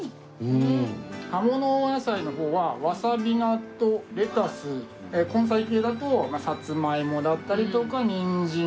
葉物お野菜の方はわさび菜とレタス根菜系だとサツマイモだったりとかニンジン